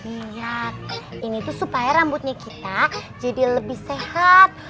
minyak ini tuh supaya rambutnya kita jadi lebih sehat